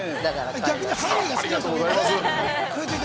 ◆ありがとうございます。